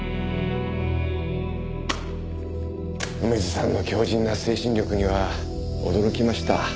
梅津さんの強靱な精神力には驚きました。